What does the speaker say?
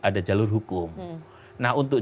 ada jalur hukum nah untuk